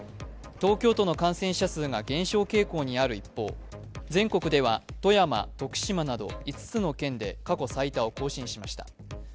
東京都の感染者数が減少傾向にある一方全国では富山、徳島など５つの県で過去最多を更新しました。